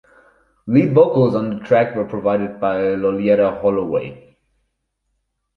Lead vocals on the track were provided by Loleatta Holloway.